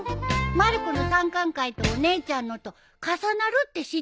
まる子の参観会とお姉ちゃんのと重なるって知ってた？